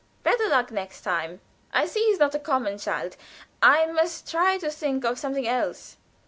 "Better luck next time. I see he's not a common child. I must try to think of something else."